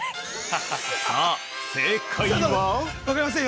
◆さあ、正解は！？